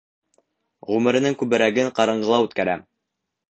Ғүмеренең күберәген ҡараңғыла үткәрә.